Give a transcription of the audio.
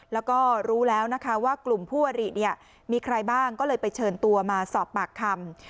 แล้วก็รู้แล้วนะคะว่ากลุ่มคู่อริเนี่ยมีใครบ้างก็เลยไปเชิญตัวมาสอบปากคำ